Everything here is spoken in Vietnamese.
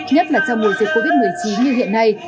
nhất là trong mùa dịch covid một mươi chín